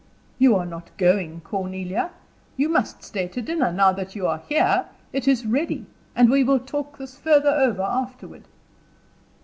"You are not going, Cornelia? You must stay to dinner, now that you are here it is ready and we will talk this further over afterward."